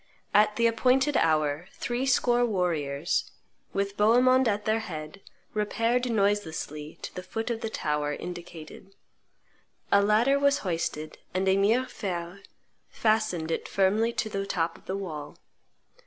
At the appointed hour three score warriors, with Bohemond at their head, repaired noiselessly to the foot of the tower indicated; a ladder was hoisted and Emir Feir fastened it firmly to the top of the wall.